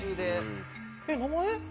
えっ名前？